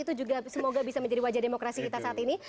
itu juga semoga bisa menjadi wajah demokrasi kita saat ini